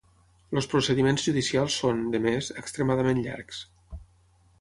Els procediments judicials són, de més, extremadament llargs.